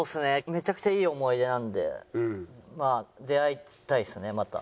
めちゃくちゃいい思い出なんでまあ出会いたいですねまた。